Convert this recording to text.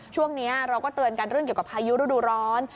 ช่วงนี้เราก็เตือนกันเรื่องเกี่ยวกับพายุฤดูร้อน